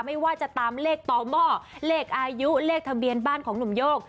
ไม่ว่าจะตามเลขต่อหม้อเลขอายุเลขทะเบียนบ้านของหนุ่มโยก